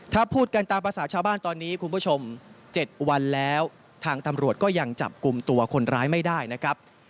ถ้าพูดกันตามภาษาชาวบ้านตอนนี้คุณผู้ชม๗วันแล้วทางตำรวจก็ยังจับกลุ่มตัวคนร้ายไม่ได้นะครับ